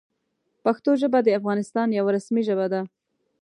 پښتو ژبه د افغانستان یوه رسمي ژبه ده.